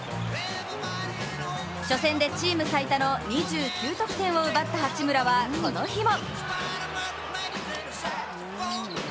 初戦でチーム最多の２９得点を奪った八村はこの日も。